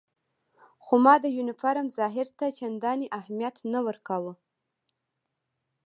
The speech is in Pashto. خو ما د یونیفورم ظاهر ته چندانې اهمیت نه ورکاوه.